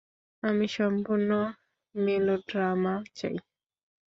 আমি সম্পূর্ণ মেলোড্রামা চাই।